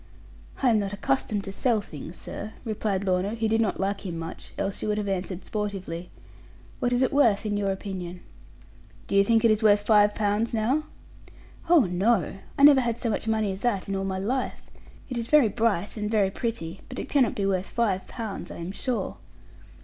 'I am not accustomed to sell things, sir,' replied Lorna, who did not like him much, else she would have answered sportively, 'What is it worth, in your opinion?' 'Do you think it is worth five pounds, now?' 'Oh, no! I never had so much money as that in all my life. It is very bright, and very pretty; but it cannot be worth five pounds, I am sure.'